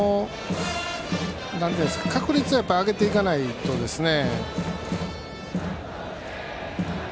確率を上げていかないとですね。